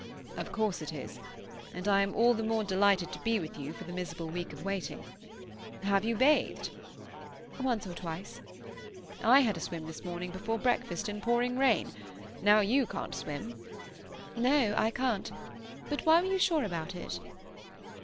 "Of course it is. And I am all the more delighted to be with you for the miserable week of waiting. Have you bathed?" "Once or twice." "I had a swim this morning before breakfast, in pouring rain. Now you can't swim." "No. I can't. But why were you sure about it?"